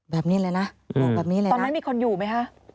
แบบนี้เลยนะตอนนั้นมีคนอยู่ไหมคะ